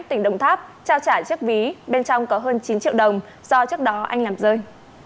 tỉnh đồng tháp trao trả chiếc ví bên trong có hơn chín triệu đồng do trước đó anh làm rơi